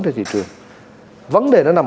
trên thị trường vấn đề nó nằm